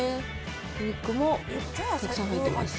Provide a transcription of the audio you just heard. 鶏肉もたくさん入ってます。